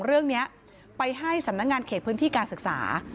เรื่องนี้ไปให้สำนักงานเขตพื้นที่การศึกษา